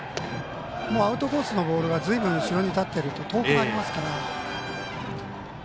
アウトコースのボールはずいぶん後ろに立っていると遠くなりますから。